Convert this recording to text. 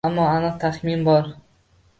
Ammo aniq taxmin bor